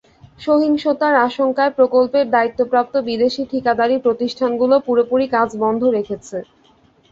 সহিংসতার আশঙ্কায় প্রকল্পের দায়িত্বপ্রাপ্ত বিদেশি ঠিকাদারি প্রতিষ্ঠানগুলো পুরোপুরি কাজ বন্ধ রেখেছে।